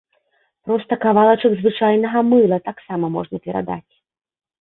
Проста кавалачак звычайнага мыла таксама можна перадаць.